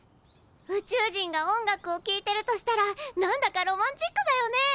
宇宙人が音楽をきいてるとしたら何だかロマンチックだよね。